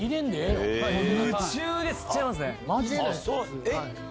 夢中で吸っちゃいますね。